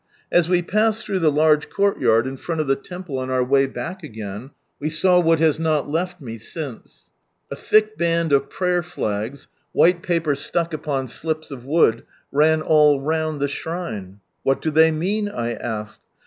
As we passed through the large courtyard in front of the temple on our way back again, we saw what has not left me since. A thick band of prayer Hags, white paper stuck upon slips of wood, ran all round the shrine. " What do they mean ?" I asked.